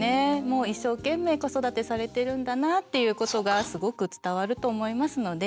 一生懸命子育てされてるんだなっていうことがすごく伝わると思いますので。